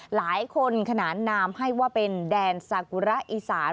ขนานนามให้ว่าเป็นแดนซากุระอีสาน